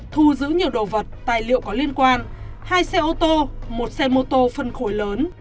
thu giữ nhiều đồ vật tài liệu có liên quan hai xe ô tô một xe mô tô phân khối lớn